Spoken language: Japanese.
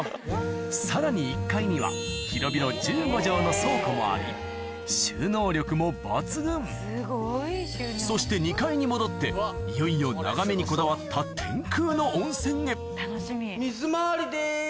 さらに１階には広々収納力も抜群そして２階に戻っていよいよ眺めにこだわった天空の温泉へ水回りです